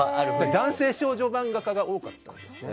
男性少女漫画家が多かったんですね。